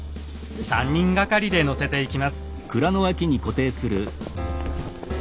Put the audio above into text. ３人がかりで載せていきます。